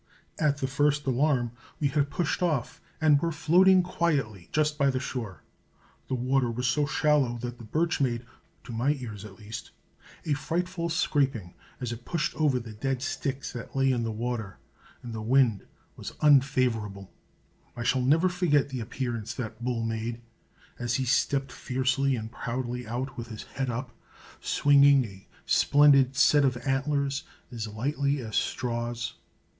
At the first alarm we had pushed off and were floating quietly just by the shore. The water was so shallow that the birch made, to my ears at least, a frightful scraping as it pushed over the dead sticks that lay in the water, and the wind was unfavorable. I never shall forget the appearance that bull made as he stepped fiercely and proudly out, with his head up, swinging a splendid set of antlers as lightly as straws.